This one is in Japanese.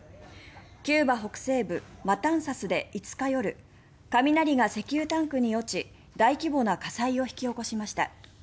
キューバ北西部マタンサスで５日夜雷が石油タンクに落ち大規模な火災を引き起こしました。